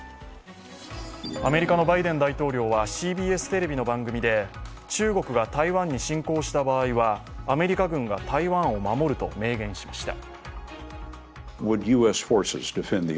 アメリカのバイデン大統領はＣＢＳテレビの番組で中国が台湾に侵攻した場合は、アメリカ軍が台湾を守ると明言しました。